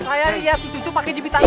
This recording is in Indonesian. saya lihat si cucu pakai jepitan itu